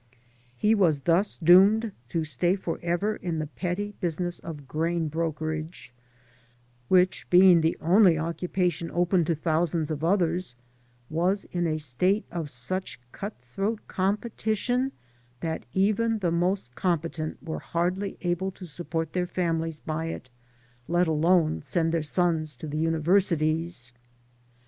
He was thus doomed to stay forever in the petty business of 47 AN AMERICAN IN THE MAKING grain brokerage, which, being the only occupation open to thousands of others, was in a state of such cutthroat competition that even the most competent were hardly able to support their families by it, let alone send their sons to the universities.